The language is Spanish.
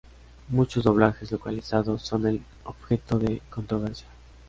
Muchos doblajes localizados son el objeto de controversia.